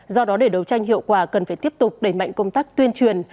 do đó để đấu tranh hiệu quả cần phải tiếp tục đẩy mạnh công tác tuyên truyền